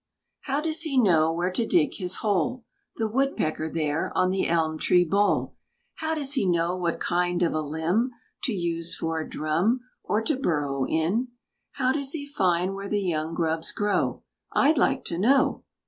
How does he know where to dig his hole, The woodpecker there, on the elm tree bole? How does he know what kind of a limb To use for a drum, or to burrow in? How does he find where the young grubs grow I'd like to know?